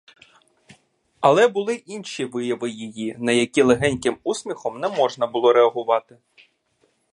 Але були інші вияви її, на які легеньким усміхом не можна було реагувати.